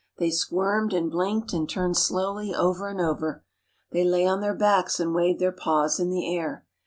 They squirmed and blinked and turned slowly over and over. They lay on their backs and waved their paws in the air.